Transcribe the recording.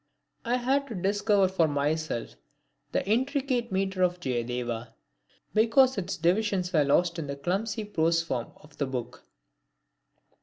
I had to discover for myself the intricate metre of Jayadeva, because its divisions were lost in the clumsy prose form of the book.